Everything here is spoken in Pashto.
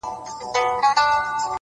يو په ژړا سي چي يې بل ماسوم ارام سي ربه؛